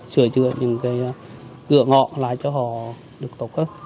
sửa chữa những cửa ngọt lại cho họ được tốt hơn